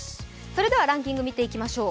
それではランキング見ていきましょう。